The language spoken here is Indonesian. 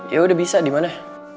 yaudah bisa dimana